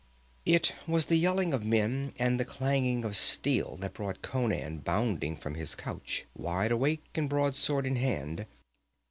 It was the yelling of men and the clanging of steel that brought Conan bounding from his couch, wide awake and broadsword in hand.